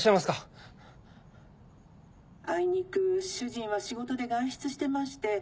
あいにく主人は仕事で外出してまして。